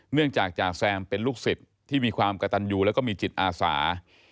จากจ่าแซมเป็นลูกศิษย์ที่มีความกระตันยูแล้วก็มีจิตอาสา